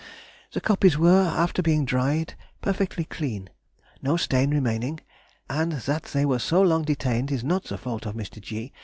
The copies were, after being dried, perfectly clean, no stain remaining, and that they were so long detained is not the fault of Mr. G.